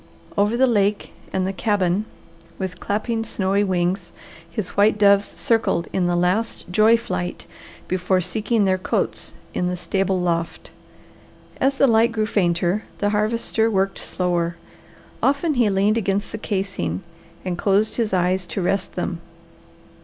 Over the lake and the cabin, with clapping snowy wings, his white doves circled in a last joy flight before seeking their cotes in the stable loft. As the light grew fainter, the Harvester worked slower. Often he leaned against the casing, and closed his eyes to rest them.